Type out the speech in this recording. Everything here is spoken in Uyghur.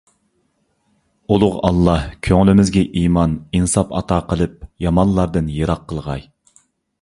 ئۇلۇغ ئاللاھ كۆڭلىمىزگە ئىمان، ئىنساب ئاتا قىلىپ، يامانلاردىن يىراق قىلغاي!